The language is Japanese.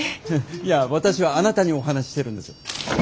いや私はあなたにお話ししてるんです。